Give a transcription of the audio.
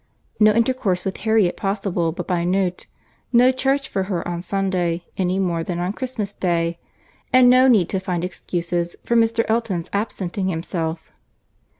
No intercourse with Harriet possible but by note; no church for her on Sunday any more than on Christmas Day; and no need to find excuses for Mr. Elton's absenting himself.